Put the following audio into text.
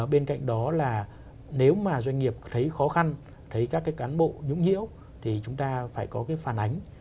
bên cạnh đó là nếu mà doanh nghiệp thấy khó khăn thấy các cái cán bộ nhũng nhiễu thì chúng ta phải có cái phản ánh